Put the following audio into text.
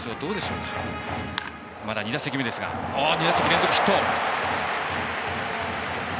２打席連続ヒット。